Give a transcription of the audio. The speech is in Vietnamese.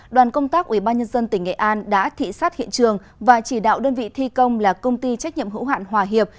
đoàn công tác ubnd tỉnh nghệ an đã thị sát hiện trường và chỉ đạo đơn vị thi công là công ty trách nhiệm hữu hạn hòa hiệp